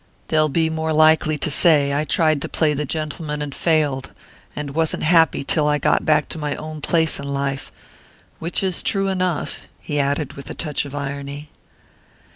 "They'll be more likely to say I tried to play the gentleman and failed, and wasn't happy till I got back to my own place in life which is true enough," he added with a touch of irony.